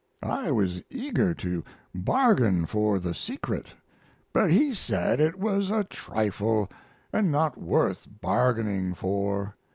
I was eager to bargain for the secret, but he said it was a trifle and not worth bargaining for.